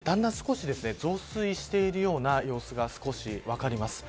だんだん少し増水しているような様子が分かります。